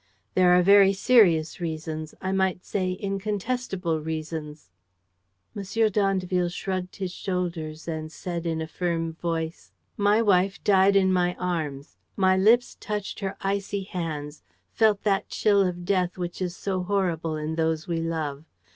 "There are very serious reasons, I might say, incontestable reasons." M. d'Andeville shrugged his shoulders and said, in a firm voice: "My wife died in my arms. My lips touched her icy hands, felt that chill of death which is so horrible in those we love.